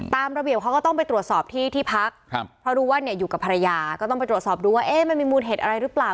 ตามระเบียบเขาก็ต้องไปตรวจสอบที่ที่พักครับเพราะรู้ว่าเนี่ยอยู่กับภรรยาก็ต้องไปตรวจสอบดูว่ามันมีมูลเหตุอะไรหรือเปล่า